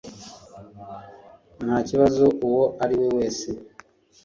ntakibazo uwo ari we wese